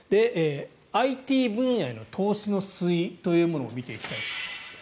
ＩＴ分野への投資の推移というものを見ていきたいと思います。